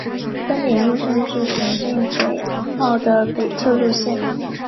登顶路线是行经北坳的北侧路线。